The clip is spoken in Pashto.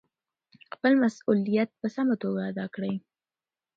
خپل مسؤلیت په سمه توګه ادا کړئ.